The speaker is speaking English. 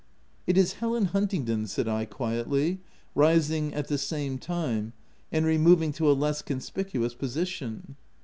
u It is Helen Huntingdon," said I, quietly, rising, at the same time, and removing to a less conspicuous position.